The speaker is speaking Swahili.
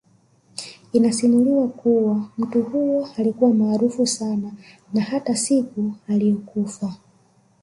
Inasimuliwa kuwa mtu huyo alikuwa maaraufu sana na hata siku ailiyokufa